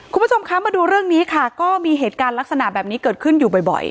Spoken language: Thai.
คุณผู้ชมคะมาดูเรื่องนี้ค่ะก็มีเหตุการณ์ลักษณะแบบนี้เกิดขึ้นอยู่บ่อย